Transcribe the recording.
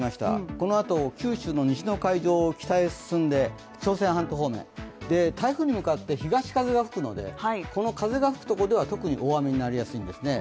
このあと九州の西の海上を北に進んで朝鮮半島方面、台風に向かって東風が吹くのでこの風が吹くところでは特に大雨になりやすいんですね。